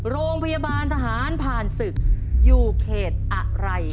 โรงพยาบาลทหารผ่านศึกอยู่เขตอะไร